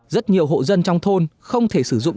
rất nhiều hộ dân trong thôn không thể sử dụng